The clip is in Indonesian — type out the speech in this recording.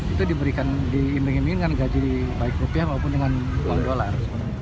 itu diimring imring dengan gaji baik rupiah maupun dengan dolar